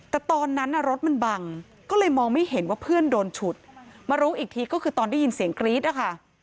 แต่ตอนนั้นรถมันบังก็เลยมองไม่เห็นว่าเพื่อนโดนฉุดมารู้อีกทีก็คือตอนได้ยินเสียงกรี๊ดนะคะ